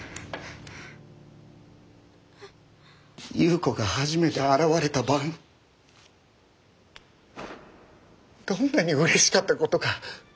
夕子が初めて現れた晩どんなにうれしかったことか。